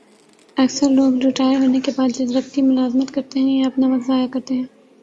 اکثر لوگ ریٹائر ہونے کے بعد جزوقتی ملازمت کرتے ہیں یا اپنا وقت ضائع کرتے ہیں